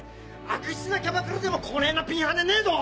悪質なキャバクラでもこねぇなピンハネねえど！